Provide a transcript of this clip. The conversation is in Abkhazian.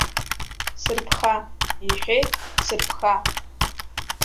Сырԥха, иҳәеит, сырԥха!